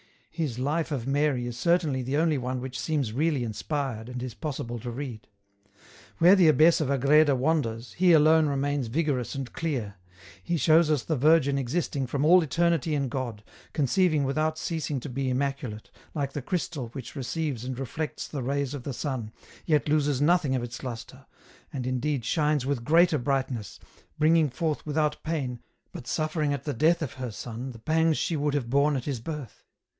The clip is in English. His Life of Mary is certainly the only one which seems really inspired and is possible to read. Where the abbess of Agreda wanders, he alone remains vigorous and clear. He shows us the Virgin existing from all eternity in God, conceiving without ceasing to be immaculate, like the crystal which receives and reflects the rays of the sun, yet loses nothing of its lustre, and indeed shines with greater brightness, bringing forth without pain, but suffering at the death of her Son the pangs she would have borne at His birth.